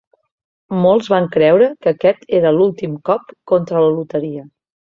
Molts van creure que aquest era l'últim cop contra la loteria.